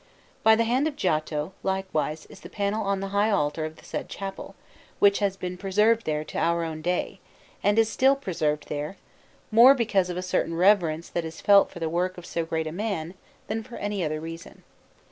By the hand of Giotto, likewise, is the panel on the high altar of the said chapel, which has been preserved there to our own day, and is still preserved there, more because of a certain reverence that is felt for the work of so great a man than for any other reason.